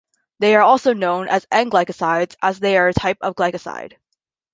They are also known as N-glycosides, as they are a type of glycoside.